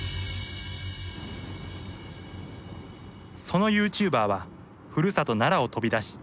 そのユーチューバーはふるさと奈良を飛び出し